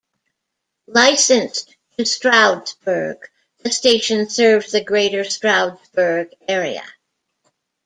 Licensed to Stroudsburg, the station serves the Greater Stroudsburg area.